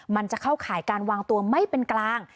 มันจะเข้าข่ายการวางตัวไม่เป็นกลาง